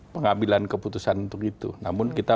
pengambilan keputusan untuk itu namun kita